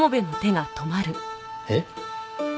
えっ？